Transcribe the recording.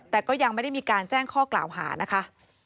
แต่ก็ยังไม่ได้มีการแจ้งข้อกล่าวหานะคะ